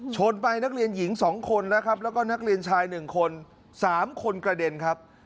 ชนไปนักเรียนหญิง๒คนนะครับแล้วก็นักเรียนชาย๑คน๓คนกระเด็นครับ